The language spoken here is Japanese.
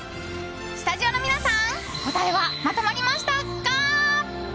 スタジオの皆さん答えはまとまりましたか？